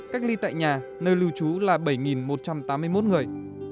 cách ly tại nhà nơi lưu trú là bảy một trăm tám mươi một người